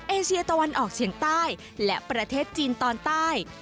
เอเชียตะวันออกเฉียงใต้และประเทศจีนตอนใต้